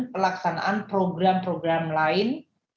pelaksanaan program program lain